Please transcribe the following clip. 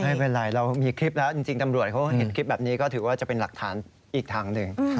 ไม่เป็นไรเรามีคลิปแล้วจริงตำรวจเขาเห็นคลิปแบบนี้ก็ถือว่าจะเป็นหลักฐานอีกทางหนึ่ง